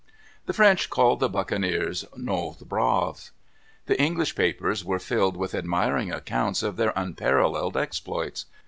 The French called the buccaneers nos braves. The English papers were filled with admiring accounts of their unparalleled exploits.